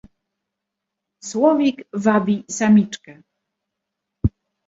"„Słowik wabi samiczkę!"